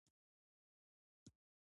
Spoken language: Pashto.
ماشوم په خوب ویده دی.